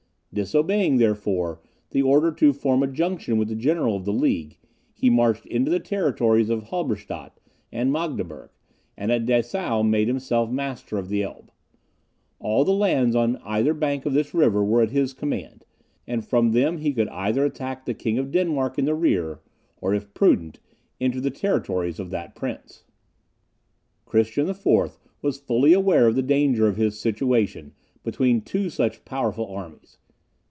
Disobeying, therefore, the order to form a junction with the general of the League, he marched into the territories of Halberstadt and Magdeburg, and at Dessau made himself master of the Elbe. All the lands on either bank of this river were at his command, and from them he could either attack the King of Denmark in the rear, or, if prudent, enter the territories of that prince. Christian IV. was fully aware of the danger of his situation between two such powerful armies.